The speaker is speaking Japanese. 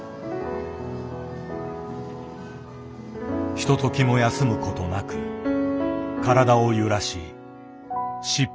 ひとときも休むことなく体を揺らし尻尾を振る。